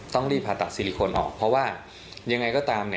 ต้องรีบผ่าตัดซิลิโคนออกเพราะว่ายังไงก็ตาม